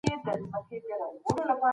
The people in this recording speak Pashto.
يو انسان په ټولني کي د عزت مثال جوړېږي.